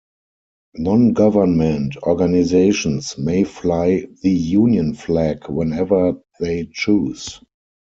Non-government organisations may fly the Union Flag whenever they choose.